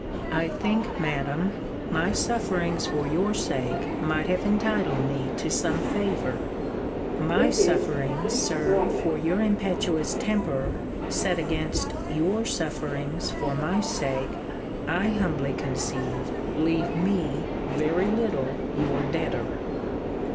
I think, Madam, my sufferings for your sake might have entitled me to some favour. My sufferings, Sir, for your impetuous temper, set against your sufferings for my sake, I humbly conceive, leave me very little your debtor.